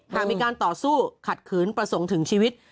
หากมีการต่อสู้ขัดขืนประสงค์ถึงชีวิต